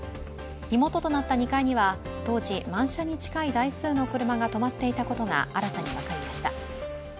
火元となった２階には当時、満車に近い台数の車が止まっていたことが新たに分かりました。